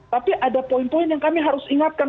tapi ada poin poin yang kami harus ingatkan